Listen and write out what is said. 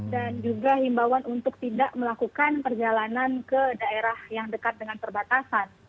dan juga imbauan untuk tidak melakukan perjalanan ke daerah yang dekat dengan perbatasan